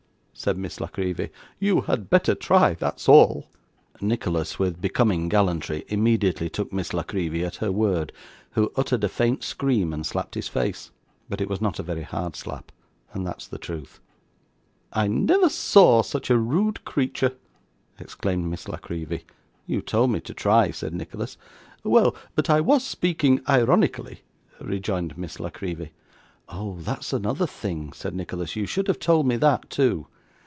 said Miss La Creevy. 'You had better try; that's all!' Nicholas, with becoming gallantry, immediately took Miss La Creevy at her word, who uttered a faint scream and slapped his face; but it was not a very hard slap, and that's the truth. 'I never saw such a rude creature!' exclaimed Miss La Creevy. 'You told me to try,' said Nicholas. 'Well; but I was speaking ironically,' rejoined Miss La Creevy. 'Oh! that's another thing,' said Nicholas; 'you should have told me that, too.